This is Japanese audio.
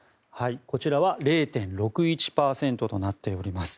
こちらは０．６１％となっています。